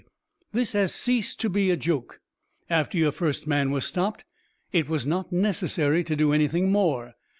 This has ceased to be a joke. After your first man was stopped, it was not necessary to do anything more.